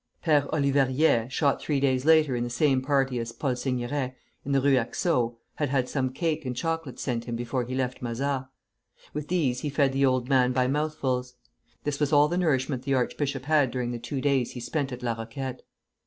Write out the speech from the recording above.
Père Olivariet (shot three days later in the same party as Paul Seigneret, in the Rue Haxo) had had some cake and chocolate sent him before he left Mazas; with these he fed the old man by mouthfuls. This was all the nourishment the archbishop had during the two days he spent at La Roquette.